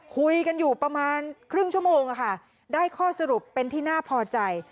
คุยกันอยู่ประมาณครึ่งชั่วโมงค่ะได้ข้อสรุปเป็นที่น่าพอใจ